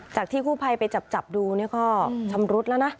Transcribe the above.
ที่กู้ภัยไปจับดูเนี่ยก็ชำรุดแล้วนะ